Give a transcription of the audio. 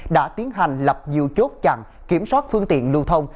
đã tiến hành lập nhiều chốt chặn kiểm soát phương tiện lưu thông